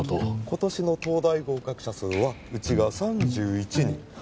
今年の東大合格者数はうちが３１人おたくは１０人。